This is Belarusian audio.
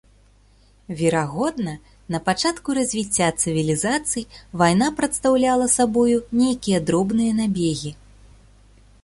Верагодна, на пачатку развіцця цывілізацый вайна прадстаўляла сабою нейкія дробныя набегі.